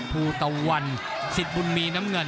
ภูตะวันสิทธิ์บุญมีน้ำเงิน